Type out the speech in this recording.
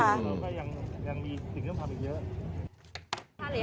เราก็ยังมีสิ่งที่ต้องทำอีกเยอะ